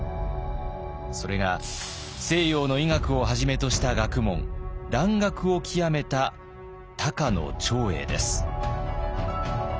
それが西洋の医学をはじめとした学問蘭学を究めた高野長英です。